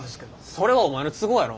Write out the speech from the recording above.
それはお前の都合やろ。